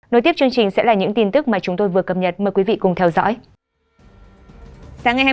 nối tiếp chương trình sẽ là những tin tức mà chúng tôi vừa cập nhật mời quý vị cùng theo dõi